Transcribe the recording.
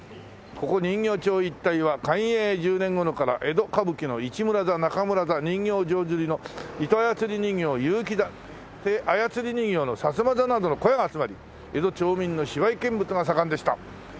「ここ人形町一帯は寛永十年頃から江戸歌舞伎の“市村座”“中村座”人形浄瑠璃の糸あやつり人形結城座手あやつり人形の薩摩座などの小屋が集まり江戸町民の芝居見物が盛んでした」